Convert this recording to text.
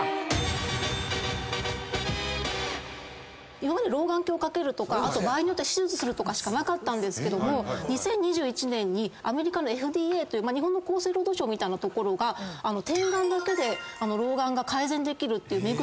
今まで老眼鏡を掛けるとかあと手術するしかなかったけども２０２１年にアメリカのＦＤＡという日本の厚生労働省みたいな所が点眼だけで老眼が改善できるって目薬。